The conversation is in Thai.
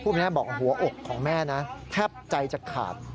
ผู้เป็นแม่บอกว่าหัวอกของแม่แทบใจจะขาด